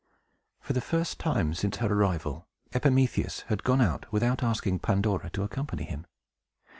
For the first time since her arrival, Epimetheus had gone out without asking Pandora to accompany him.